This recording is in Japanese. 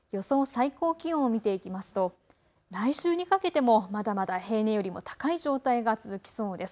最高気温を見ていきますと来週にかけてもまだまだ平年よりも高い状態が続きそうです。